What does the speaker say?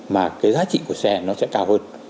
mà cái giá trị của xe nó sẽ cao hơn